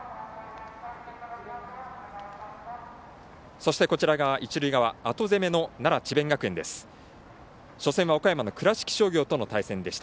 そして、一塁側、後攻めの奈良・智弁学園です。